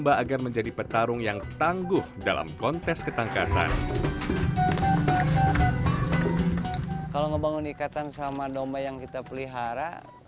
kalau membangun ikatan sama domba yang kita pelihara